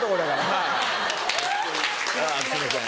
はいすいません。